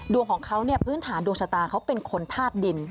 ดวงของเขาเนี่ยพื้นฐานดวงชะตาเขาเป็นคนธาตุดิน